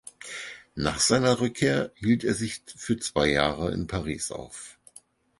Nach seiner Rückkehr hielt er sich für zwei Jahre in Paris auf.